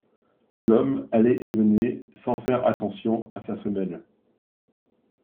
L'homme allait et venait sans faire attention à sa femelle.